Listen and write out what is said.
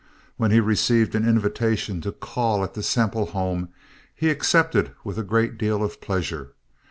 When he received an invitation to call at the Semple home, he accepted with a great deal of pleasure.